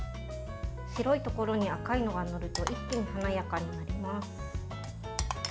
白いところに赤いのが載ると一気に華やかになります。